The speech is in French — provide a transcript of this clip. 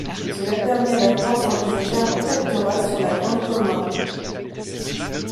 Cela permit à la France d'envisager un protectorat sur la Grande Comore.